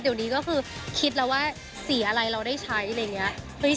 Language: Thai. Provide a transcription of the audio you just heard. เดี๋ยวนี้ก็คือคิดแล้วว่าสีอะไรเราได้ใช้อะไรอย่างนี้